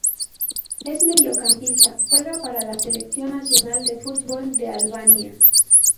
Es mediocampista, juega para la selección nacional de fútbol de Albania.